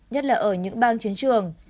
nhất là ở những bang chiến trường